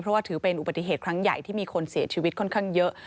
เพราะว่าถือเป็นอุบัติเหตุครั้งใหญ่ที่มีคนเสียชีวิตค่อนข้างเยอะ